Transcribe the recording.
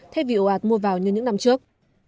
thay vì ồ ạt mua vào như những năm trước